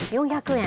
４００円。